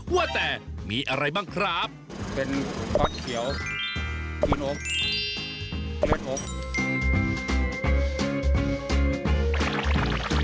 ว่าแต่มีอะไรบ้างครับเป็นผักเขียวปีนโอ๊คเล็กโอ๊ค